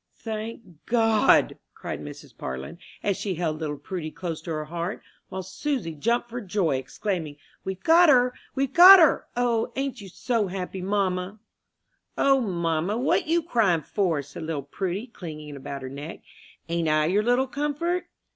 "Thank God!" cried Mrs. Parlin, as she held little Prudy close to her heart; while Susy jumped for joy, exclaiming, "We've got her! we've got her! O, ain't you so happy, mamma?" "O, mamma, what you crying for?" said little Prudy, clinging about her neck. "Ain't I your little comfort?